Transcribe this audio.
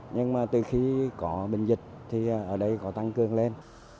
nhưng mà từ khi có bệnh dịch thì ở đây có tăng cường lên